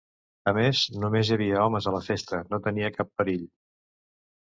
A més, només hi havia homes a la festa, no tenia cap perill!